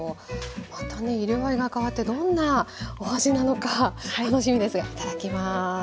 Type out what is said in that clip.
またね色合いが変わってどんなお味なのか楽しみですがいただきます。